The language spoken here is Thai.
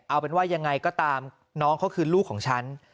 เอาเป็นว่ายังไงก็ตามน้องเขาคือลูกของฉัน